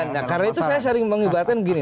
iya karena itu saya sering mengibarkan begini